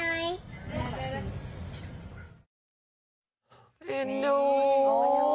เห็นดู